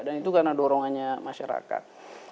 dan itu karena dorongannya masyarakat